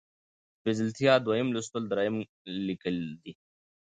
سپېڅلتيا ، دويم لوستل ، دريم ليکل دي